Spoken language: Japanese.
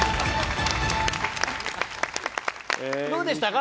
どうでしたか？